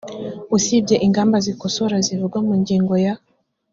usibye ingamba zikosora zivugwa mu ngingo ya